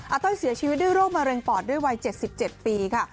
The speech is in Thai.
ต้อยเสียชีวิตด้วยโรคมะเร็งปอดด้วยวัย๗๗ปีค่ะ